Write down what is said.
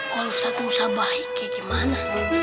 kalau ustaz ustaz baik ya gimana